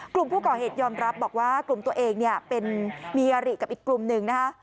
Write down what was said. กลุ่มผู้ก่อเหตุยอมรับบอกว่ากลุ่มตัวเองเนี่ยเป็นมีอาริกับอีกกลุ่มหนึ่งนะคะ